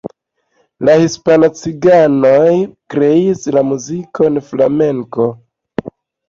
Hispanaj ciganoj kreis la muzikon flamenko.